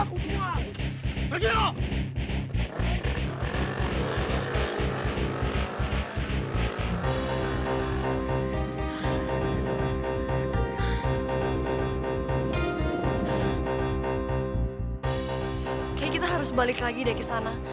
kayaknya kita harus balik lagi deh ke sana